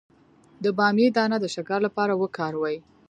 د بامیې دانه د شکر لپاره وکاروئ